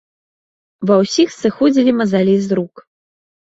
Ва ўсіх сыходзілі мазалі з рук.